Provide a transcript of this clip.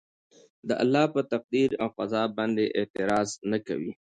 د الله په تقدير او قضاء باندي به اعتراض نه کوي